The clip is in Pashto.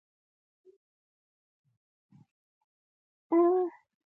له توندې لهجې یې معلومیده چې ښکنځلې کوي.